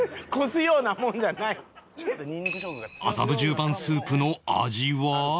麻布十番スープの味は？